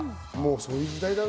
そういう時代だね。